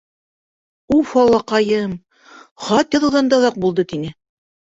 — Уф аллаҡайым, хат яҙыуҙан да оҙаҡ булды, — тине.